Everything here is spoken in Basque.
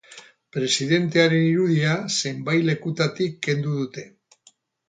Presidentearen irudia zenbait lekutatik kendu dute.